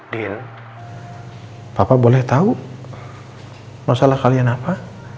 din bapak boleh tahu masalah kalian apa